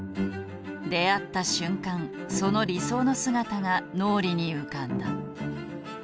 出会った瞬間その理想の姿が脳裏に浮かんだ。